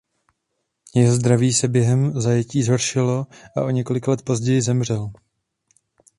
Jeho zdraví se během zajetí zhoršilo a o několik let později zemřel.